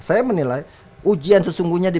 saya menilai ujian sesungguhnya di